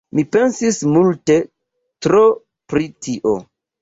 Mi pensis multe tro pri tio.